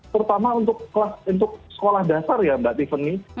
terutama untuk sekolah dasar ya mbak tiffany